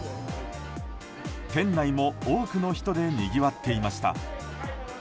店内も多くの人でにぎわっていました。